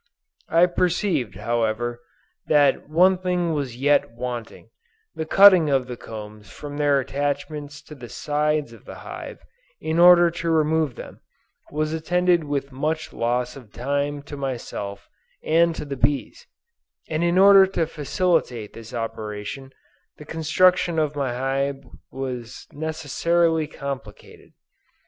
I perceived, however, that one thing was yet wanting. The cutting of the combs from their attachments to the sides of the hive, in order to remove them, was attended with much loss of time to myself and to the bees, and in order to facilitate this operation, the construction of my hive was necessarily complicated.